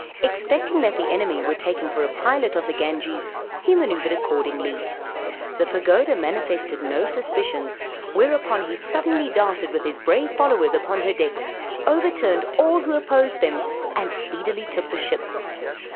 Expecting that the enemy would take him for a pilot of the Ganges, he manoeuvred accordingly. The Pagoda manifested no suspicions, whereupon he suddenly darted with his brave followers upon her decks, overturned all who opposed them, and speedily took the ship.